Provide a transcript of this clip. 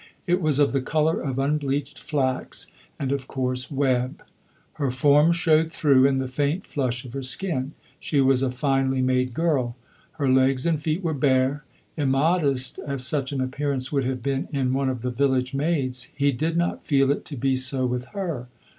It was of the colour of unbleached flax and of a coarse web. Her form showed through, and the faint flush of her skin. She was a finely made girl. Her legs and feet were bare. Immodest as such an appearance would have been in one of the village maids, he did not feel it to be so with her.